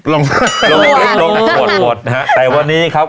ลงหมดนะครับแต่วันนี้ครับ